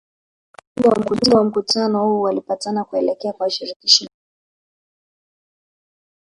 Wajumbe wa mkutano huu walipatana kuelekea kwa Shirikisho la muungano